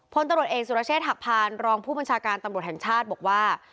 พลตำรวจเอกสุรเชษฐหักพานรองผู้บัญชาการตำรวจแห่งชาติบอกว่า